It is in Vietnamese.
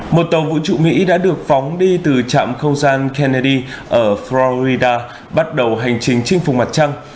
một tàu vũ trụ mỹ đã được phóng đi từ trạm không gian kennedy ở florida bắt đầu hành trình chinh phục mặt trăng